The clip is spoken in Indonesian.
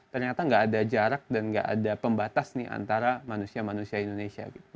ternyata nggak ada jarak dan nggak ada pembatas nih antara manusia manusia indonesia